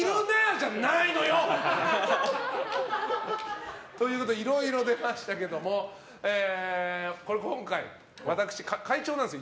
じゃないのよ！ということでいろいろ出ましたけども今回、私、会長なんですよ